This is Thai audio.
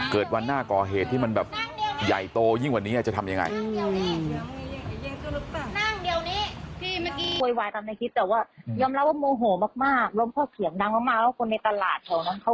เกิดวันหน้าก่อเหตุใหญ่โตยิ่งว่านี้อาจจะทำยังไง